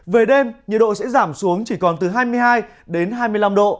về đêm nhiệt độ sẽ giảm xuống chỉ còn từ hai mươi hai đến hai mươi năm độ